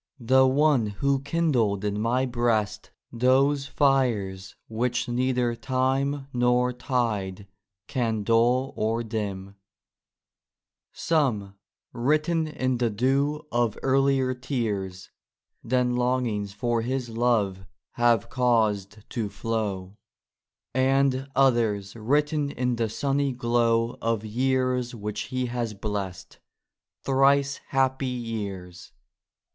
— The one who kindled in my breast those fires Which neither time nor tide can dull or dim : Some, written in the dew of earlier tears Than longings for his love have caused to flow, And others written in the sunny glow Of years which he has bless'd,— thrice happy years